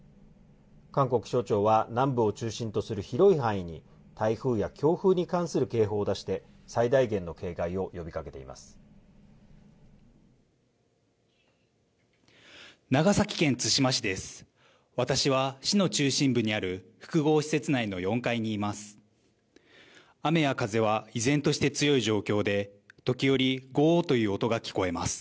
韓国気象庁は南部を中心とする広い範囲に台風や強風に関する警報を出して、最大限の警戒を呼びか長崎県対馬市です。